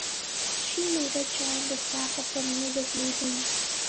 She later joined the staff of a music label.